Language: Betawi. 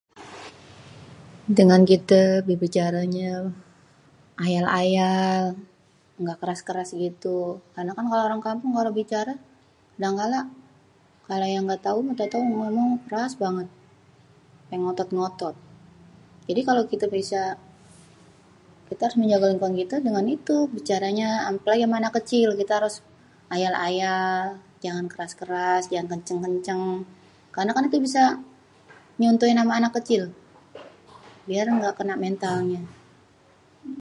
dengan kitè berbicarènyè, ayal-ayal ga keras-keras gitu kadang kan kalo orang kampung kalo bicarè kadangkala, kalo yang gatau tau-taunyè ngomong keras banget, ampè ngotot-ngotot, jadi kalo kite bisa, kitè harus menjaga lingkungan dengan itu, bicaranya, apèlagi sama anak kecil, kitè harus ayal-ayal jangan keras-keras jangan kencèng-kencèng karna kan diè bisa nyontohin sama anak kecil, biar ga kenal mentalnyè.